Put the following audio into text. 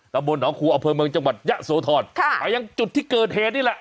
ระบบนหอคูอเจมส์เมืองจังหวัดยะโสธรค่ะอย่างจุดที่เกิดเหตุนี่แหละ